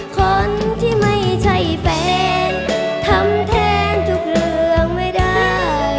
คนที่ไม่ใช่แฟนทำแทนทุกเรื่องไม่ได้